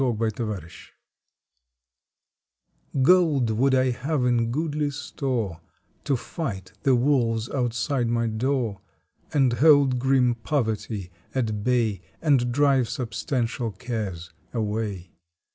April Twenty sixth MUNITIONS would I have in goodly store To fight the wolves outside my door And hold grim poverty at bay And drive substantial cares away.